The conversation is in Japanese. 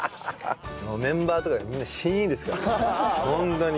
メンバーとかみんなシーンですからホントに。